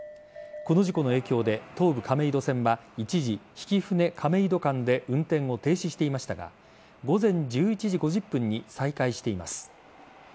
この事故の影響で東武亀戸線は一時、曳舟亀戸間で運転を停止していましたが午前１１時５０分に再開しています。